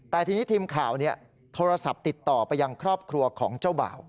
แต่ทีนี้ทีมข่าวโทรศัพท์ติดต่อไปยังครอบครัวของเจ้าบ่าว